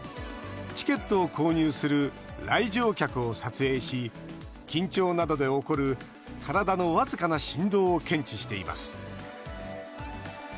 チケットを購入する来場客を撮影し緊張などで起こる体の僅かな振動を検知しています。